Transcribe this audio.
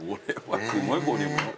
すごいボリューム。